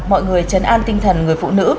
mọi người chấn an tinh thần người phụ nữ